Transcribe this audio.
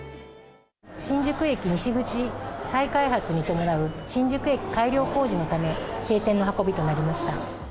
新宿駅西口再開発に伴う新宿駅改良工事のため、閉店の運びとなりました。